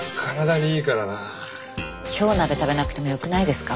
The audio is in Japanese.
今日鍋食べなくてもよくないですか？